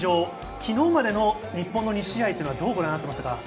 昨日までの日本の２試合をどうご覧になりましたか？